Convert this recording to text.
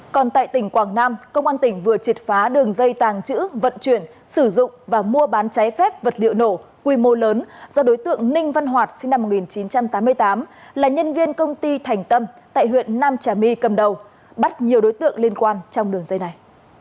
còn tại tỉnh quảng nam công an tỉnh vừa triệt phá đường dây tàng trữ vận chuyển sử dụng và mua bán trái phép vật liệu nổ quy mô lớn do đối tượng ninh văn hoạt sinh năm một nghìn chín trăm tám mươi tám là nhân viên công ty thành tâm tại huyện nam trà my cầm đầu bắt nhiều đối tượng liên quan trong đường dây này